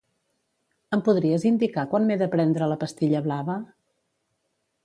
Em podries indicar quan m'he de prendre la pastilla blava?